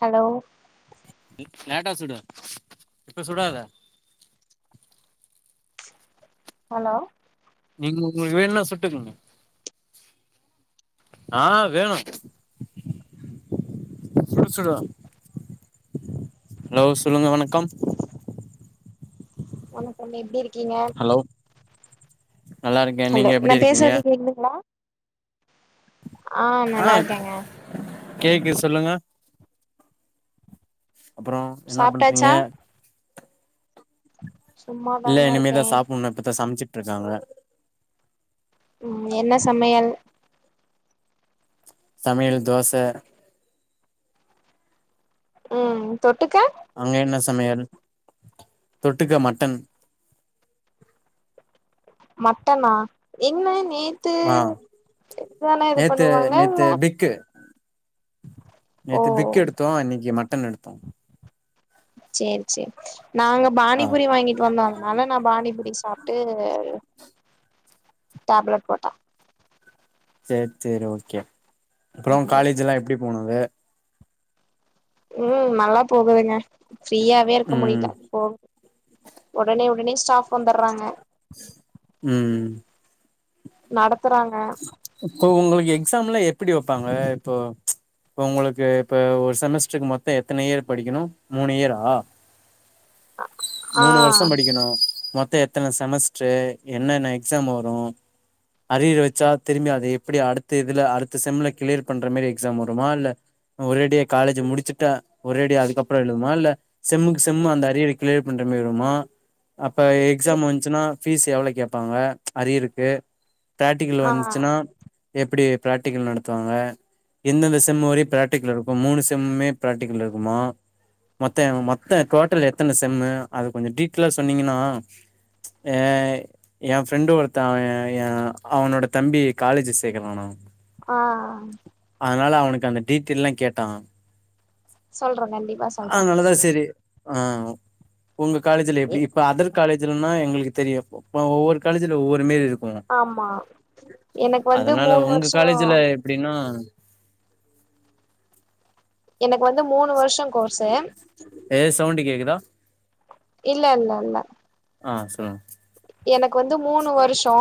Hello லேட்டா சுடு இப்ப சுடாத ஹலோ நீங்ளுக்கு வேணுனா சுட்டுக்குங்க ஆ வேணு சுடு சுடு ஹலோ சொல்லுங்க வணக்கம் வணக்கம் எப்டி இருக்கீங்க ஹலோ நல்லா இருக்கே நீங்க ஹலோ நா எப்டி இருக்கீங்க பேசுறது கேக்குதுங்ளா ஆ நல்லா இருக்கேங்க கேக்கு சொல்லுங்க அப்றோ என்ன பண்றீங்க சாப்ட்டாச்சா இல்ல சும்மாதாங்க இனிமே தா இருக்கே சாப்புணு இப்பதா சமச்சிட்டு இருக்காங்க ம் என்ன சமயல் சமயல் தோச ம் தொட்டுக்க அங்க என்ன சமயல் தொட்டுக்க மட்டன் மட்டனா என்ன நேத்து ஆ இதானே இது நேத்து பண்ணுவாங்க இல்ல நேத்து பிக்கு ஓ நேத்து திக் எடுத்தோ இன்னைக்கு மட்டன் எடுத்தோ சேர் சேரி நாங்க ஆ பானிபூரி வாங்கிட்டு வந்தோ அனால நா பானிபூரி சாப்ட்டு டேப்லெட் போட்டே சேர் சேரி ஓகே அப்றோ காலேஜ்லா எப்டி போனது ம் நல்லா போகுதுங்க ஃப்ரீயாவே இருக்க ம் முடில போ ஒடனே ஒடனே ஸ்டாஃப் வந்துறாங்க ம் நடத்துறாங்க இப்போ ஒங்களுக்கு எக்ஸாம்லா எப்டி வப்பாங்க இப்போ இப்ப ஒங்களுக்கு இப்ப ஒரு செமஸ்டருக்கு மொத்தோ எத்தன இயர் படிக்கணு மூனு இயரா ஆ மூனு வருஷோ படிக்கணு மொத்த எத் தன செமஸ்டரு என்னென்ன எக்ஸாம் வரு அரியர் வச்சா திரும்பி அது எப்டி அடுத்த இதுல அடுத்த செம்ல கிளியர் பண்ற மாறி எக்ஸாம் வருமா இல்ல ஒரேடியா காலேஜ் முடிச்சுட்டா ஒரேடியா அதுக்கப்புறோ எழுதுமா இல்ல செம்முக்கு செம் அந்த அரியர் கிளியர் பண்ற மாறி வருமா அப்போ இது எக்ஸாம் வந்துச்சுன்னா ஃபீஸ் எவ்ளோ கேப்பாங்க அரியருக்கு பிரக்டிகல் ஆ வந் ஆம் எப்டி பிராக்டிக்கல் நடத்துவாங்க எந்தெந்த செம் வரையு பிராக்டிக்கல் இருக்கு மூணு செம்முமே பிராக்டிக்கல் இருக்குமா மொத்தோ மொத்த டோட்டல் எத்தன செம்மு அத கொஞ்சோ டீடெய்லா சொன்னீங்கன்னா ஏ எ ஃப்ரெண்டு ஒருத்தே அவே ஏ அவனோட தம்பிய காலேஜ் சேக்க வேணு ஆ அதனால அவனுக்கு அந்த டீட்டெயில்லா கேட்டா சொல்றே கண்டிப்பா சொல்றே அதனால தா சேரி ஆ ஒங்க காலேஜ்ல எ எப்டி இப்ப அதர் காலேஜ்லன்னா எங்ளுக்கு தெரியு ஒவ்வொரு காலேஜ்ல ஒவ்வொரு மேறி இருக்கு ஆமா எனக்கு வந்து மூனு வருஷோ அப்டின்னா எனக்கு வந்து மூணு வருசோ கோர்ஸு எ சவுண்ட் கேட்குதா இல்ல இல்ல இல்ல ஆ சொல்லுங்க எனக்கு வந்து மூணு வருஷோ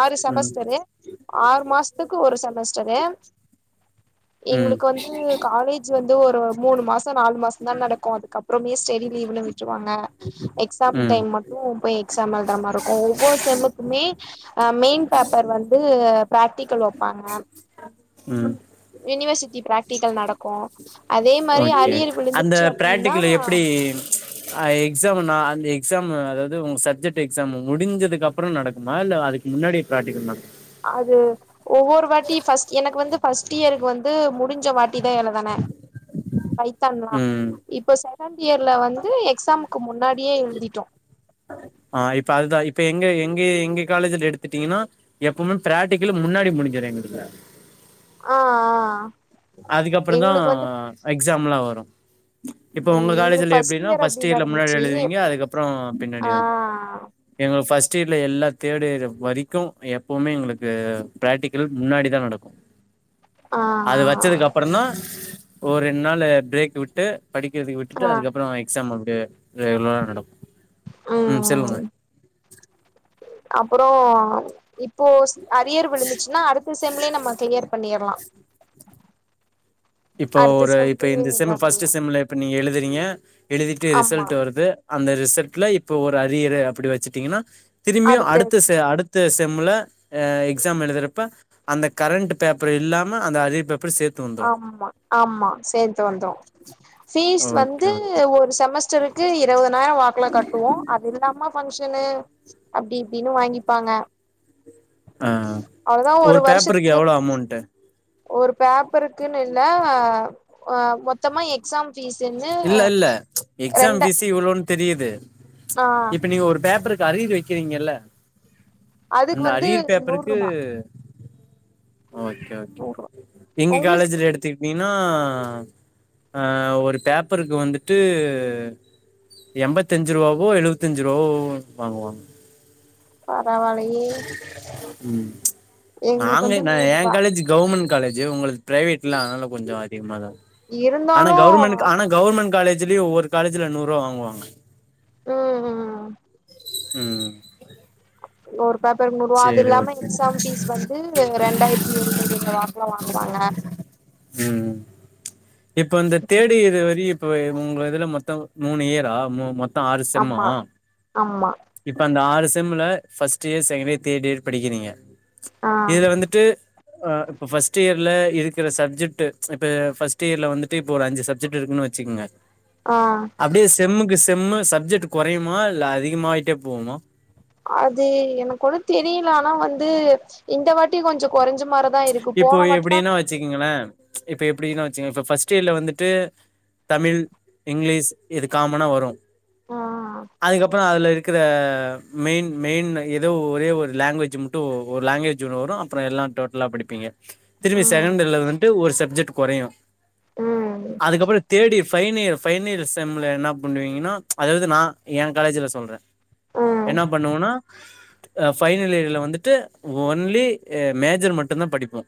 ஆறு ம் செமஸ்டரு ஆறு மாசத்துக்கு ஒரு செமஸ்டரு எங்களுக்கு வந்து காலே ஜ்ஜு வந்து ஒரு மூணு மாசோ நாலு மாசோ தா நடக்கு அதுக்கப்புரோமே ஸ்டடி லீவ்னு விட்டுருவாங்க எக்ஸாம் ம் டைம் ம் மட்டு போய் எக்ஸாம் ஏழுதுற மாரி இருக்கு ஒவ்வொரு செமுகுமே அ மெயின் பேப்பர் வந்து பிராக்டிக்கல் வப்பாங்க ம் யூனிவர்சிட்டி பிரக்டிக்கல் நடக்கு அதே மாரி ஓகே அரியர் அந்த விழுந்துருச்சு அப்டின்னா பிராக்டிகல் எப்டி அ எக்ஸாம்மு அ எக்ஸாம்மு அதாவது உங்க சப்ஜெக்ட் எக்ஸாம்மு முடிஞ்சதுக்கு அப்புரோ நடக்குமா இல்ல அதுக்கு முன்னாடி பிராக்டிகல் நடக் அது ஒவ்வொரு வாட்டி ஃபர்ஸ்ட் எனக்கு வந்து ஃபர்ஸ்ட் இயருக்கு வந்து முடிஞ்ச வாட்டி தா எழுதுன பைதான் தா ம். இப்ப செகண்ட் ஏர்ல வந்து எக்ஸாமுக்கு முன்னாடியே எழுதிட்டோ ஆ இப்ப அதுதா இப்ப எங்க எங்க எங்க காலேஜ்ல எடுத்துடீங்கன்னா எப்பவுமே பிராக்டிக்கல் முன்னாடி முடிஞ்சுறு எங்களுக்கு ஆ ஆ அதுக்கப்ற தா எங்களுக்கு வந்து எக்ஸாம் லா வரு இப்போ ம் உங்க எங்களுக்கு காலேஜ்ல எப்டின்னா இயர் அப்டி ஃபஸ்ட் எர்ல முன்னாடி நடந்துச்சு எழுதுவீங்க அதுகப்பறோ ஆ பின்னாடி வரு எங்களுக்கு ஃபஸ்ட் எர்ல எல்லா தேர்டு எர் வரிக்கு எப்பவுமே எங்களுக்கு ப்ராக்டிகல் முன்னாடி தா நடக்கு ஆ அது வச்சதுக்கு அப்றதா ஆ ஒர் ரெண் நாளு பிரேக் விட்டு படிகுறதுக்கு விட்டுட்டு ஆ அதுகப்றோ எக்ஸாம் அப்டியே ரெகுலரா நடக்கு ம் சொல்லுங்க அப்பறோ இப்போ ச் அரியர் விழுந்துச்சுன்னா அடுத் த செம்லேயே நம்ம கிளியர் பண்ணிற்லா இப்போ அடுத்த ஒரு இப்போ செம்லயே இந்த செம் எழுத ஃபஸ்ட்டு முடியு செம்ல இப்போ நீங்க எழுதுறீங்க எழுதிட்டு ஆமா ரிசல்ட் வருது அந்த ரிசல்ட்ல இப்போ ஒரு அரியறு அப்டி வச்சிடடிங்கன்னா திரும்பியு அடுத்தது அடுத்த ச அடு த்த செம்ல எக்ஸாம் எழுதுறப்ப அந்த கரண்ட் பேப்பர் இல்லாம அந்த அரியர் பேப்பர் சேத்து ஆம் ஆமா ஆமா சேந்து வந்தோம் ஃபீஸ் ஓகே வந்து ஓகே ஒரு செமஸ்டருக்கு இருபது நாயிரோ வாக்குல கட்டுவோ அது இல்லாம ஃபங்க்ஷனு அப்டி இப்டின்னு வாங்கிப்பாங்க ஆ அவ்ளோதா ஒரு பேப்பருக்கு வருஷத்துக்கு எவ்ளோ அமௌண்ட்டு ஒரு பேப்பருக்குன்னு இல்ல அ மொத்தமா எக்ஸாம் ஃபீஸ்ன்னு ரெண்டு தெரியிது ச்சு இப்ப நீங்க ஒரு பேப்பருக்கு அரியர் வைக்கிறீங்கல்ல அதுக்கு அந்த வந்து அரியர் பேப்பருக்கு நூற்ரூபா ஓகே ஓகே நூற்ரூபா எங்க உங்களுக்கு காலேஜ்ல எடுத்திக் கிட்டிங்கனா அ ஒரு பேப்பருக்கு வந்துட்டு எண்பத்தஞ்சு ரூவாவோ எழுவத்தஞ்சு ரூபவாவோ வாங்கு வாங்க பரவாலயே ம் நாங்க வந்து எனா எ நூற்ரூபா காலேஜு கவுர்மண்ட் காலேஜு உங்களுக்கு பிரைவேட்ல அதுனால கொஞ்சொ அதிகமா தா இருக்கு ஆனா இருந்தாலு கவுர்மண்ட் ஆனா க கவுர்மண்ட் காலேஜுலயு ஒவ்வொரு காலேஜுல நூருவா வாங்குவாங்க ம் ம் அ ம் ம் ஒரு பேப்பர் நூருவா அது சேரி இல்லாம ஓகே எக்ஸாம் பீஸ் வந்து ரெண்டாயிரத்தி ஏழ்நூறு இந்த வாக்குல வாங்குறாங்க ம் இப்ப இந்த தேர்ட் இயர் வரையு இப்ப ஒங்க இதுல மொத்தோ மூணு இயரா மு மொத் ஆமா ஆமா இப்ப அந்த ஆறு செம்முல first year second year third year படிக்கிறீங்க ஆ இதுல வந்துட்டு ஆ இப்ப ஃபஸ்ட் இயர்ல இருக்குற சப்ஜெக்ட்டு இப்ப ஃபஸ்ட் இயர்ல வந்துட்டு இப்ப ஒரு அஞ்சு சப்ஜெக்ட் இருகுன்னு வச்சுகங்க ஆ அப்டியே செம்முக்கு செம்மு சப்ஜெக்ட்டு கொறையுமா இல்ல அதிகமாயிட்டே போகுமா அது எனக்கு ஒன்னு தெரியல ஆனா வந்து இந்த வாட் டி கொஞ்சொ கொறஞ்ச மாரிதா இருக்கு போனா வாடிதா வச்சுகங்களே இப்ப எப்டின் வச்சுகச்க இப்ப ஃபஸ்ட் இயர்ல வந்துட்டு தமிழ் இங்லீஷ் இது காமனா வரு ஆ அதுகப்பறோ அதுல இருக் குற மெயின் மெயின் ஏதோ ஒரே ஒரு லாங்குவேஜ் மட்டு ஒரு லாங்குவேஜ் ஒன்னு வரு அப்பறோ எல்லா டோட்டலா படிப் பிங்க திரும்பி ம் செகண்டு இயர்ல வந்ட்டு ஒரு சப்ஜெக்ட் கொறையு ம் அதுக்கப்பறோ third year final year final year செம்முல என்னா பண்ணுவீங்கனா அதாவது நா எ காலேஜுல சொல்றே ம் என்னா பண்ணுவனா ஃபைனல் இயர்ல வந்துட்டு ஒன்லி மேஜர் மட்டுந்தா படிப்போ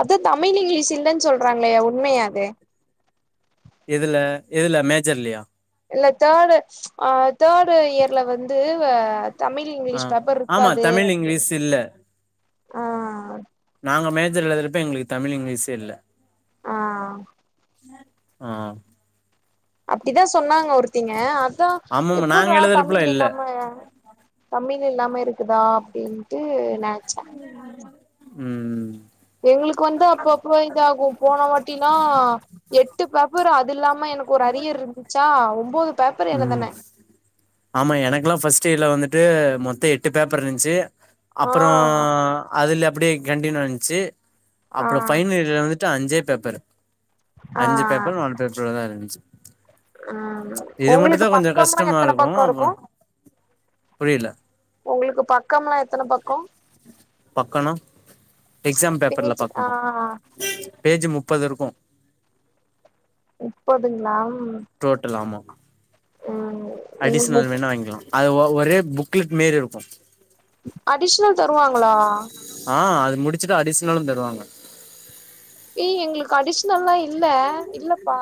அதா தமிழ் இங்லீஷ் இல்லன் சொல்றாங்களே உண்மையா அது எதுல எதுல மேஜர்லயா இல்ல தேர்டு அ தேர்டு இயர்ல வந்து வ தமிழ் ஆ இங்லீஷ் பேப்பர் ஆமா இருக்காது தமிழ் அப்டின் இங்கிலீஷ் இல்ல ஆ ஆ நாங்க மேஜர் எழுதுறப்ப எங்களுக்கு தமிழ் இங்லீசே இல்ல ஆ ஆ ஆ அப்டிதா சொன்னாங்க ஒருத்திங்க அதா ஆமாமா எப்புற்றா நாங்க தமிழ் எழுதுறப்பலாம் இல்ல இல்லாம தமிழ் இல்லாம இருக்குதா அப்டின்ட்டு நெனச்சே ம் எங்களுக்கு வந்து அப்பப்ப இதாகு போன வாட்டினா எட்டு பேப்பர் அது இல்லாம எனக் ஒரு அரியர் இருந்துச்சா ஒம்போது பேப்பர் ம் எழுதுனே ஆமா எனக்கல்லா ஃபர்ஸ்ட் இயர்ல வந்துட்டு மொத்தோ எட்டு பேப்பர் இருந்ச்சு ஆ அப்பறோ அதுல அப்டியே கண்டின் வன்ச்சு ஆ அப்பறோ ஃபைனல் இதுல வந்துட்டு அஞ்சே பேப்பர் ஆ அஞ்சு பேப்பரோ நாலு பேப்பரோதா இருந்துச்சு ஆ இது ஒங்களுக்கு மட்டுந்தா கொஞ்சோ பக்கம்லா கஷ்டமா எத்தன பக்கோ இருக்கு புரியலா ஒங்களுக்கு பக்கம் லா எத்தன பக்கோ பக்கோனா எக்ஸாம் பேப்பர்ல பேஜ் ஆ பக்கமா பேஜ்ஜு முப்பது இருக்கு முப்பதுங்ளா டோட்டல் ஆமாம் எங்களுக்கு அடிஷனல் முப் வேனா வாங்கிகலாம் அது ஒ ஒரே புக்லெட் மேரி இருக்கும் அடிஷனல் தருவாங்களா ஆ அது முடிச்சுட்டு அடிஷனலும் தருவாங்க ஏய் எங்களுக்கு அடிஷனல்லாம் இல்ல இல்லப்பா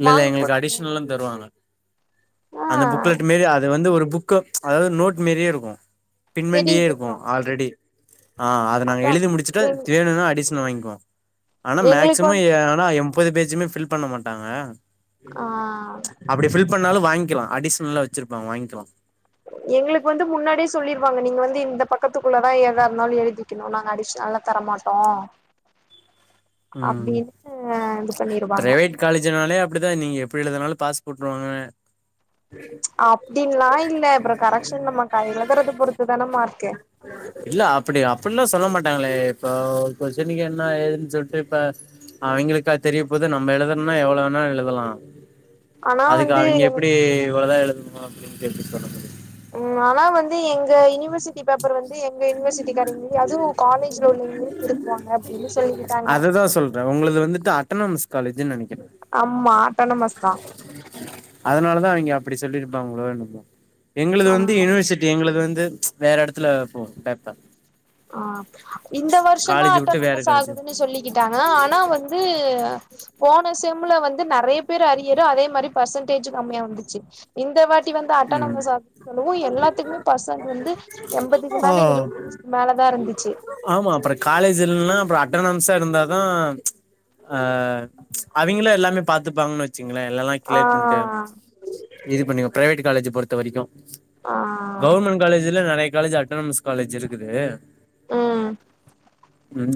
இல்லல்ல வாங்க எங்களுக்கு கூடாது அடிஷனல்லாம் தருவாங்க ஆ அந்த புக்லட்டு மேரி அது வந்து ஒரு புக் அதாவது நோட் மேரியே இருக்கும் தெரியு பின்பண்டியே இருக்கும் தெரியு ஆல்ரெடி ஆ அத நாங்க அதா எழுதி எங் முடிச்சுட்டு வேணும்னா அடிஷனல் வாங்கிக்குவோம் ஆனா எங்களுக்கு மேக்சிமம் வந்து ஆனா எண்பது பேஜ்மே ஃபில் பண்ண மாட்டாங்க ஆ அப்படி ஃபில் பண்ணாலும் வாங்கிக்கலாம் அடிஷனல்லா வச்சிருப்பாங்க வாங்கிக்கலாம் எங்களுக்கு வந்து முன்னாடியே சொல்லிருவாங்க நீங்க வந்து இந்த பக்கத்துக்குள்ளதான் ஏதா இருந்தாலும் எழுதி க்கணும் நாங்க அடிஷனல்லாம் தரமாட்டோம் ம் அப்படின்னு இது பண்ணிருவாங்க பிரைவேட் காலேஜ்னாலே அப்படிதான் நீங்க எப்படி எழுதுனாலும் பாஸ் போட்டுருவாங்க அப்படின்லாம் இல்ல அப்பறம் கரெக்ஷன் நம்ம எழுதுறத பொறுத்து தானே மார்க் இல்ல அப்படி அப்டியெல்லாம் சொல்ல மாட்டாங்களே இப்போ கொஸ்டினுக்கு என்ன ஏதுன்னு சொல்லிட்டு இப்ப அவிங்களுக்கா தெரிய போது நம்ம எழுதுணும்னா எவ்ளோ வேணா எழுதலாம் ஆனா அதுக்கு வந்து அவங்க எப்டி இவ்ளோதான் எழுதணும் அப்டின்னு கேட்டு சொல்ல முடியும் ம் ஆனா வந்து எங்க யூனிவர்சிட்டி இ சி பேப்பர் வந்து எங்க யூனிவர்சிட்டி காரங்களே அதுவும் காலேஜ்ல உள்ளவங்களே திருத்துவாங்க அப்டின்னு சொல்லிக்கிட்டாங்க அதுதா சொல்றே உங்களது வந்துட்டு அட்டனாமஸ் காலேஜ்னு நெனைக்கிறேன் ஆம்மா அட்டனாமஸ் அதனாலதான் அவங்க அப்டி சொல்லிருப்பாங்களோ என்னமோ எங்களது ஆமா வந்து யூனிவர்சிட் டி எங்களது வந்து வேற எடத்துல போகும் பேப்பர் ஆ இந்த வருஷம்தான் காலேஜ் விட்டு வேற அட்டோனமஸ் காலேஜ் ஆகுதுன்னு சொல்லிக்கிட்டாங்க ஆனா வந்து போன செம்ல வந்து நிறைய பேர் அறியறு அதே மாறி பர்சன்டேஜ்ம் கம்மியா வந்துச்சு இந்த வாட்டி வந்து ம் அட்டானமஸ் வும் எல்லாத்துக்குமே பர்சன்ட் வந்து எண்பதுக்கு ஆ மேல எழுவத்தி அஞ்சுக்கு மேல தான் இருந்துச்சு ஆமா அப்புறம் காலேஜ் இல்லான அப்புறம் அட்டானமஸ்சா இருந்தாதான் ஆ அவிங்களே எல்லாமே பாத்துப்பாங்கன்னு வச்சு எல்லல்லாம் ஆ கிளியர் பண்ணிட்டு இது பண்ண பிரைவேட் காலேஜ் பொறுத்த வரைக்கும் ஆ கவுர்மெண்ட் காலேஜ்ல நிறைய காலேஜ் அட்டனமஸ் காலேஜ் இருக்குது ம்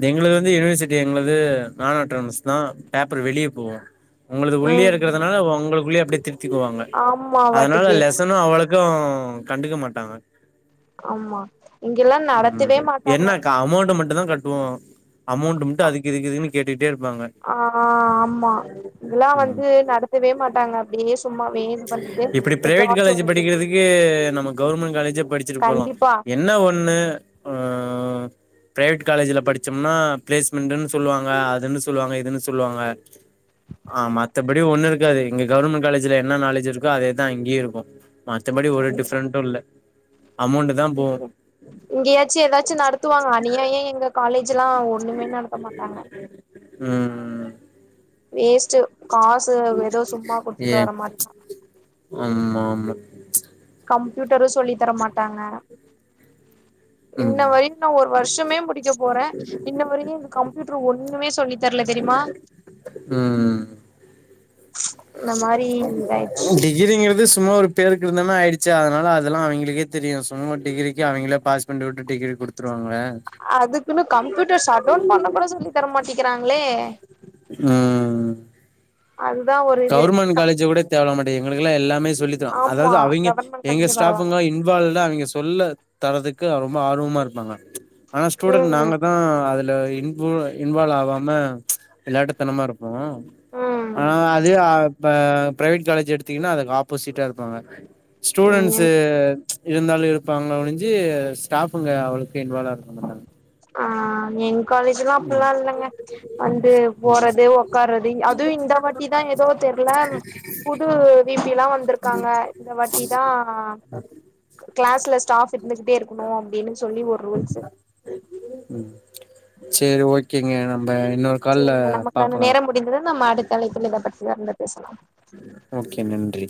எங்களுது வந்து யூனிவர்சிட்டி எங்களது நான் அட்டானமஸ் தான் பேப்பர் வெளியே போவும் உங்களது உள்ளேயே ம் இருக்கறிறதுனால உங்களுக்கு அப்படியே திருத்திக்குவாங்க ஆமா அதனால வாட்டுக்கு லெ னும் அவளுக்கும் கண்டுக்க மாட்டாங்க ஆமா இங்கெல்லாம் நடத்தவே ம் மாட்ட என்ன க அமௌண்ட் மட்டும்தான் கட்டுவோம் அமௌண்ட் மட்டு அதுக்கு இதுக்கு இதுக்குன்னு கேட்டுக்கிட்டே இருப்பாங்க ஆ ஆமா இங்கெல்லாம் வந்து நடத் த்தவே மாட்டாங்க அப்படியே சும்மா இப்படி பிரைவேட் காலேஜ் படிக்கிறதுக்கு நம்ம கவர்மெண்ட் காலேஜ படிச்சுட்டு போலாம் கண்டிப்பா என்ன ஒண்ணு ஆ பிரைவேட் காலேஜ்ல படிச்சோம்னா பிளேஸ்மெண்ட்னு சொல்லுவாங்க அதுன்னு சொல்லுவாங்க இதுன்னு சொல்லுவாங்க ஆ மத்தபடி ஒண்ணு இருக்காது இங்க கவர்ன்மெண்ட் காலேஜ்ல என்ன நாலேஜ் இருக்கோ அதேதா இங்கயு இருக்கு மத்தபடி ஒரு டிஃப்ரெண்டு இல்ல அமௌண்ட் தா போவு இங்கயாச்சு எதாச்சும் நடத்துவாங்களா நீயே ஏன் எங்க காலேஜ்லா ஒன்னுமே நடத்த மாட்டாங்க ம் வேஸ்ட்டு காசு எதோ சும்மா குடுத்துட்டு வர மாரிதா அம் மா மா கம்ப்யூட்டரு சொல்லி தரமாட்டாங்க ம் இன்ன வரையு நா ஒரு வருஷமே முடிக்க போற இன்ன வரையு கம்ப்யூட்டர் ஒண்ணுமே சொல்லி தரல தெரியுமா ம்ம் [inaudible] ஓகே இதாயிடுச்சு டிகிரிங்கிறது சும்மா ஒரு பேருக்கு இருந்த மாரி ஆய்டுச்சு அதனால அதெல்லா அவிங்களுக்கே தெரியு சும்மா டிகிரிக்கு அவிங்களே பாஸ் பண்டி விட்டு டிகிரி குடுத்துருவாங்க அதுக்குன்னு கம்ப்யூட்டர் ஷட்டவுன் பண்ண கூட சொல்லி தர மாட்டக்கிறாங்களே ம் அதுதா ஒரு இது கவர்மெண்ட் காலேஜ் கூட தேவைல மாட்டுகுது எங்களுக்குல்லா எல்லாமே சொல்லி ஆமா அதாவது அவைங்க கவர்மெண்ட் எங்க காலேஜ் பரவால்ல ஸ்டாஃப்ங்க இன்வால்டா அவிங்க சொல்ல தரறதுக்கு ரொம்ப ஆர்வமா இருப்பாங்க ஆனா ஸ்டூடண்ட் ம் நாங்க தா அதுல இன் இன்வால்வ் ஆகாம விளாட்டுத்தனமா இருப்போ ம் ஆனா இது இப்ப பிரைவேட் காலேஜ் எடுத்தீங்கனா அதுக்கு ஆப்போசிட்டா இருப்பாங்க ம் ஸ்டூடெண்ட்ஸ்சு இருந்தாலு இருப்பாங்களே ஒழுஞ்சு ஸ்டாஃப்ங்க அவ்ளவ்க்க இன்வால்வா இருக்க மாட்டாங்க ஆ என் காலேஜ்லா அப்டிலா இல்லங்க வந்து போறது உக்காரது அதுவு இந்த வாட்டி தா எதோ தெர்ல புது வீ சில்லா வந்ருக்காங்க இந்த வாட்டி தா கிளாஸ்ல ஸ்டாஃப் திருந்துகிட்டே இருக்கணு அப்டின் சொல்லி ஒரு ரூல்ஸ்சு ம் சரி ஓகேங்க நம்ம இன்னொரு கால்ல பாக்லா நீங்களு நம்ம அடுத்த தலைப்புல இத பத்தி அங்க பேசலா ஓகே நன்றி